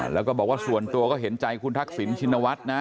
แล้วก็บอกว่าส่วนตัวก็เห็นใจคุณทักษิณชินวัฒน์นะ